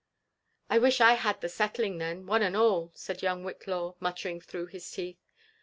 '' I wish I had the settling them, one and all," said young Whitlaw, muttering through his teeth.